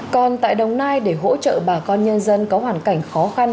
còn tại đồng nai để hỗ trợ bà con nhân dân có hoàn cảnh khó khăn